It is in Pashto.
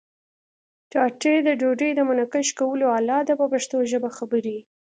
ټاټې د ډوډۍ د منقش کولو آله ده په پښتو ژبه خبرې.